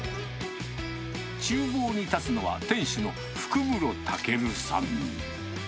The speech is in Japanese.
ちゅう房に立つのは店主の福室武尊さん。